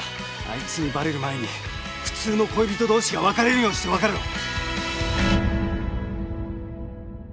あいつにバレる前に普通の恋人同士が別れるようにして別れろ。